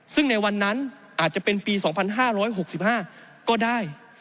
ซึ่งในวันนั้นอาจจะเป็นปี๒๕๖๕ก็ได้